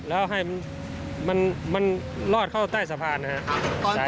แล้วให้มันลอดเข้าใต้สะพานนะครับ